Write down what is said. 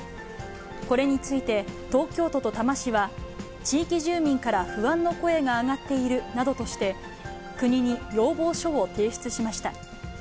これについて、東京都と多摩市は、地域住民から不安の声が上がっているなどとして、国に要望書を提出しました。